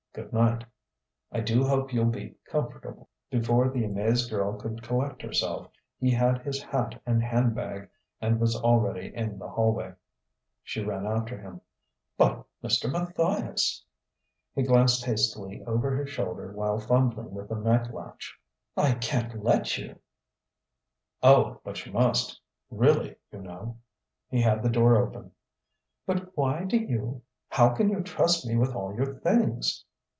Good night. I do hope you'll be comfortable." Before the amazed girl could collect herself, he had his hat and handbag and was already in the hallway. She ran after him. "But, Mr. Matthias " He glanced hastily over his shoulder while fumbling with the night latch. "I can't let you " "Oh, but you must really, you know." He had the door open. "But why do you how can you trust me with all your things?"